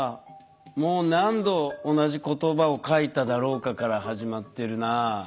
「もう何度同じ言葉を書いただろうか」から始まってるな。